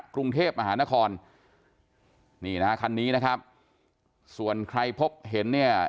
กรุงเทพมหานครนี่นะฮะคันนี้นะครับส่วนใครพบเห็นเนี่ย